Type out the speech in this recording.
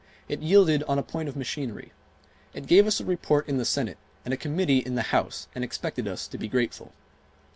It yielded on a point of machinery. It gave us a report in the Senate and a committee in the House and expected us to be grateful.